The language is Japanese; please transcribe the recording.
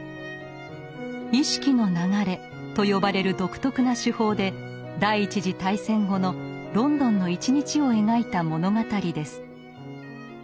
「意識の流れ」と呼ばれる独特な手法で第１次大戦後のロンドンの１日を描いた物語です。